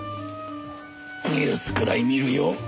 ニュースくらい見るよ。